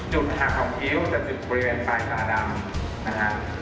จุดหางของคิ้วจะถึงบริเวณปลายกลางดำนะครับ